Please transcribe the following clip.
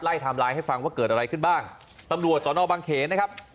ไทม์ไลน์ให้ฟังว่าเกิดอะไรขึ้นบ้างตำรวจสอนอบังเขนนะครับ